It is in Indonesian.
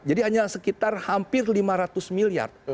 jadi hanya sekitar hampir lima ratus miliar